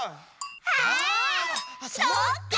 あそうか！